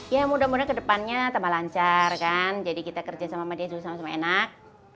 ya mudah mudahan kedepannya tambah lancar kan jadi kita kerja sama media juga sama sama enak